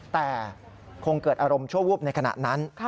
แต่คงเกิดอารมณ์ชั่ววูบในขณะนั้น